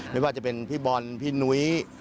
ไม่ว่าจะเป็นพี่บอลพี่นุ้ย